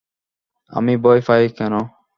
আমি ভয় পাই কেন?